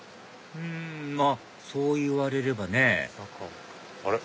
うんまぁそう言われればね中もあれ？